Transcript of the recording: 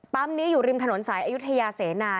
นี้อยู่ริมถนนสายอายุทยาเสนา